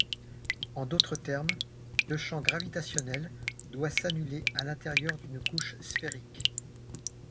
En d'autres termes, le champ gravitationnel doit s'annuler à l'intérieur d'une couche sphérique.